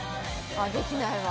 できないわ。